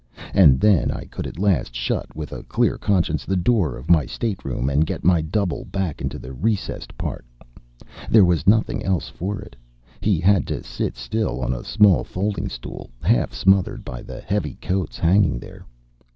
And then I could at last shut, with a clear conscience, the door of my stateroom and get my double back into the recessed part. There was nothing else for it. He had to sit still on a small folding stool, half smothered by the heavy coats hanging there.